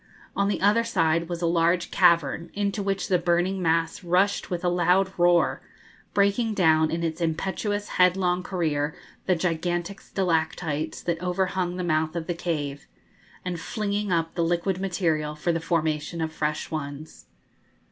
On the other side was a large cavern, into which the burning mass rushed with a loud roar, breaking down in its impetuous headlong career the gigantic stalactites that overhung the mouth of the cave, and flinging up the liquid material for the formation of fresh ones.